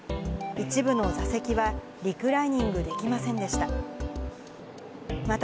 一部の座席はリクライニングできませんでした。